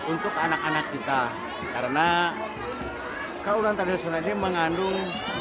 untuk anak anak kita karena kaulah tradisional ini mengandung